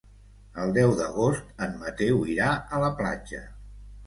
El deu d'agost en Mateu irà a la platja.